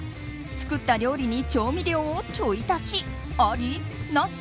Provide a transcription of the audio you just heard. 作った料理に調味料をちょい足し。